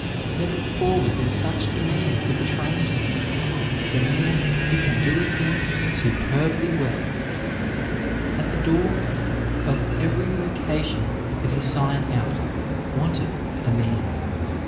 Never before was there such a demand for the trained man, the man who can do a thing superbly well. At the door of every vocation is a sign out, "Wanted a man."